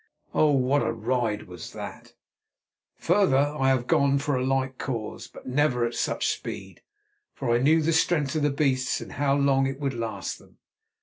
Oh! what a ride was that! Further I have gone for a like cause, but never at such speed, for I knew the strength of the beasts and how long it would last them.